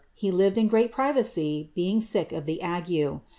He lived in great privacy, being sick of the ague.